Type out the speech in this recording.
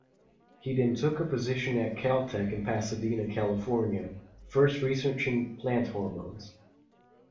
He then took a position at Caltech in Pasadena, California, first researching plant hormones.